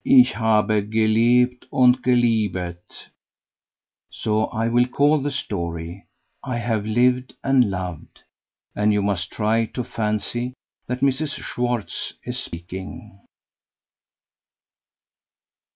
Ich habe gelebt und geliebet;' so I will call the story 'I have lived and loved,' and you must try to fancy that Mrs. Schwartz is speaking."